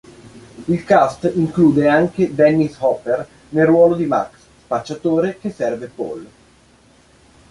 Il cast include anche Dennis Hopper nel ruolo di Max, spacciatore che serve Paul.